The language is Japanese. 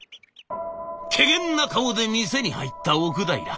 けげんな顔で店に入った奥平。